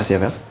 makasih ya fel